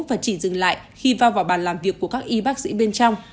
và chỉ dừng lại khi va vào bàn làm việc của các y bác sĩ bên trong